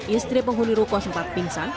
istri penghuni ruko sempat pingsan